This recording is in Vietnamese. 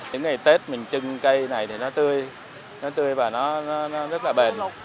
những ngày tết mình trưng cây này thì nó tươi nó tươi và nó rất là bền rồi